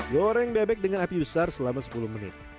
goreng bebek dengan api besar selama sepuluh menit